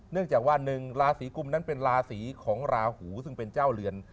เนื่องจากว่าหนึ่งราศีกุมนั้นเป็นราศีของราหูซึ่งเป็นเจ้าเรือน